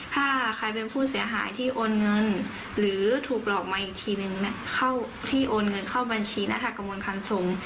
ถ้าใครเป็นผู้เสียหายที่โอนเงินหรือถูกรอกมาที่โอนเงินเข้าบัญชีธกรำวนคันทรง